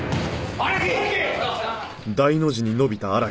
荒木！